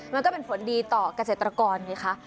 มันก็เป็นผลดีต่อเกษตรกรไงคะ